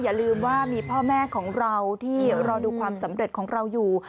อย่าลืมว่ามีพ่อแม่ของเราที่รอดูความสำเร็จของเราอยู่